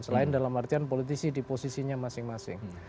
selain dalam artian politisi di posisinya masing masing